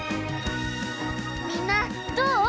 みんなどう？